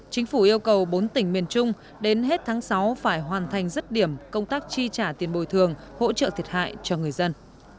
chính phủ yêu cầu bốn tỉnh miền trung đến hết tháng sáu phải hoàn thành dứt điểm công tác chi trả tiền bồi thường hỗ trợ thiệt hại cho người dân